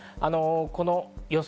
この予想